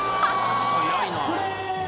速いな。